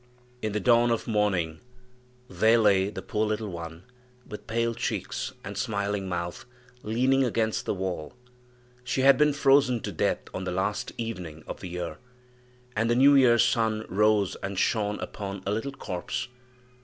In the dawn of morning there lay the poor little one, with pale cheeks and smiling mouth, leaning against the wall; she had been frozen to death on the last evening of the year; and the New year's sun rose and shone upon a little corpse!